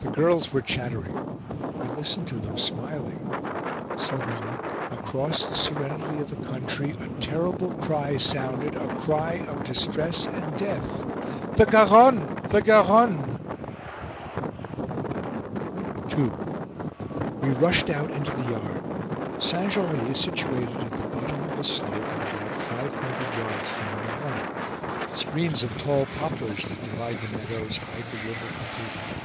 The girls were chattering. We listened to them, smiling. Suddenly, across the serenity of the country, a terrible cry sounded, a cry of distress and death: "The Garonne! The Garonne!" II. We rushed out into the yard. Saint Jory is situated at the bottom of a slope at about five hundred yards from the Garonne. Screens of tall poplars that divide the meadows, hide the river completely.